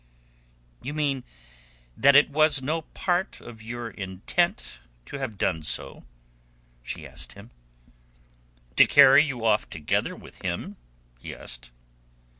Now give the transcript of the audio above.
"You mean that it was no part of your intent to have done so?" she asked him. "To carry you off together with him?" he asked.